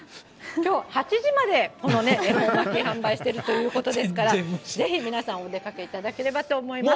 きょう８時までこの恵方巻き、販売しているということですから、ぜひ、皆さんお出かけいただければと思います。